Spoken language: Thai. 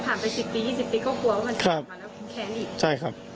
ครับใช่ครับ